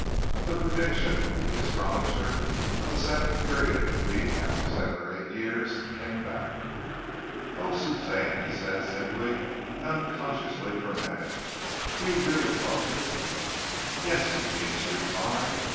The prediction of the Astrologer of a second period of defeat after seven or eight years came back. "Oh, Suzanne!" he said, simply and unconsciously dramatic. "Do you really love me?" "Yes, Eugene," she replied.